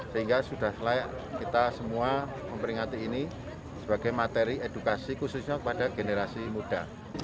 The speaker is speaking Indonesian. sehingga sudah layak kita semua memperingati ini sebagai materi edukasi khususnya kepada generasi muda